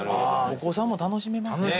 お子さんも楽しめますね。